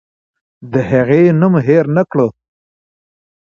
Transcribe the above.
د هغې نوم هېر نکړه.